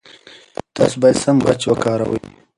تاسو باید سم خج وکاروئ.